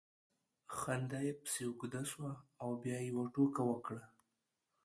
خندا یې پسې اوږده سوه او بیا یې یوه ټوکه وکړه